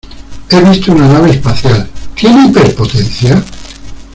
He visto una nave especial. ¿ Tiene hiperpotencia?